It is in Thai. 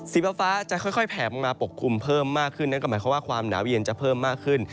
ฟ้าจะค่อยแผลลงมาปกคลุมเพิ่มมากขึ้นนั่นก็หมายความว่าความหนาวเย็นจะเพิ่มมากขึ้น